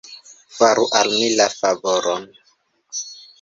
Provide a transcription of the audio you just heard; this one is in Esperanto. Faru al mi la favoron.